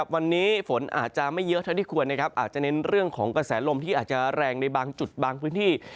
วันนี้ฝนอาจจะไม่เยอะเท่าที่ควรอาจจะเน้นเรื่องของกระแสลมที่อาจจะแรงในบางจุดบางพื้นที่